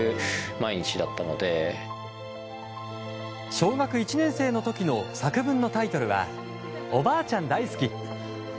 小学１年の時の作文のタイトルは「おばあちゃん大すき」。